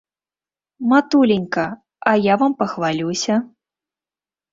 Матуленька, а я вам пахвалюся!